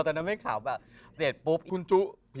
แต่นั้นไม่ขำอะแบบแล้วคุณจุส